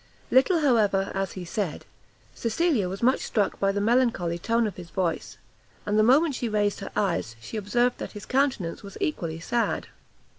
Little, however, as he said, Cecilia was much struck by the melancholy tone of his voice, and the moment she raised her eyes, she observed that his countenance was equally sad.